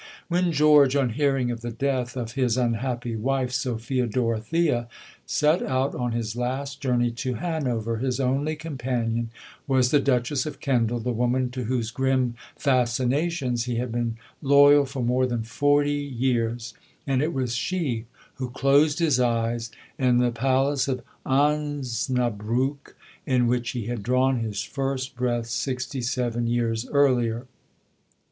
When George, on hearing of the death of his unhappy wife, Sophia Dorothea, set out on his last journey to Hanover, his only companion was the Duchess of Kendal, the woman to whose grim fascinations he had been loyal for more than forty years; and it was she who closed his eyes in the Palace of Osnabrück, in which he had drawn his first breath sixty seven years earlier.